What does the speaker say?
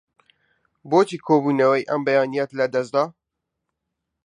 بۆچی کۆبوونەوەی ئەم بەیانییەت لەدەست دا؟